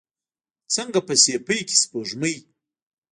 څنګه په سیپۍ کې سپوږمۍ